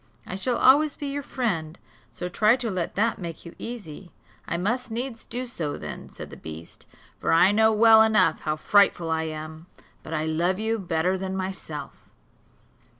I shall always be your friend; so try to let that make you easy." "I must needs do so then," said the beast, "for I know well enough how frightful I am; but I love you better than myself.